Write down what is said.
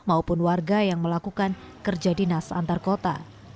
maupun warga yang melakukan kerja dinas antarkota